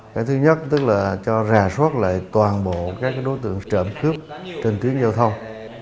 cái thứ nhất tức là cho rà soát lại toàn bộ các đối tượng trộm cướp trên tuyến giao thông